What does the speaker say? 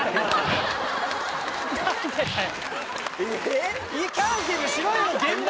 何でだよ！